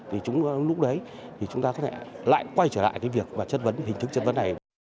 thì lúc đấy thì chúng ta có thể lại quay trở lại cái việc và chất vấn hình thức chất vấn này